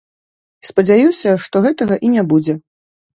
Спадзяюся, што гэтага і не будзе.